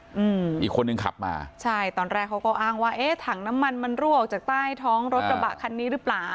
อืมอีกคนนึงขับมาใช่ตอนแรกเขาก็อ้างว่าเอ๊ะถังน้ำมันมันรั่วออกจากใต้ท้องรถกระบะคันนี้หรือเปล่า